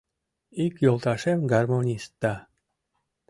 Ик йолташем гармонист да